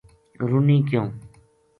رُنی کیوں